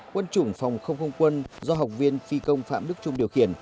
quân chủng phòng không không quân do học viên phi công phạm đức trung điều khiển